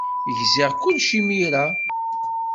Gziɣ kullec imir-a.